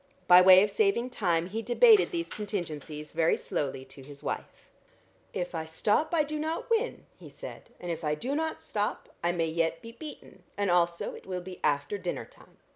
By way of saving time he debated these contingencies very slowly to his wife. "If I stop I do not win," he said, "and if I do not stop, I may yet be beaten, and also it will be after dinner time.